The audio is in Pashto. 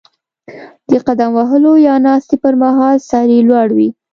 د قدم وهلو یا ناستې پر مهال سر یې لوړ وي.